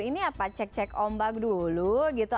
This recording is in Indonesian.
ini apa cek cek ombak dulu gitu